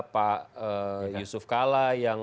pak yusuf kalla